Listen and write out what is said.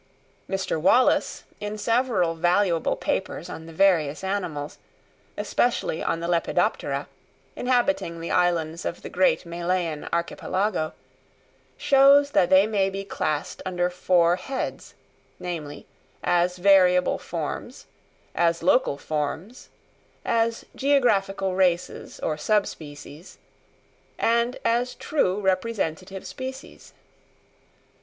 Mr. Wallace, in several valuable papers on the various animals, especially on the Lepidoptera, inhabiting the islands of the great Malayan Archipelago, shows that they may be classed under four heads, namely, as variable forms, as local forms, as geographical races or sub species, and as true representative species.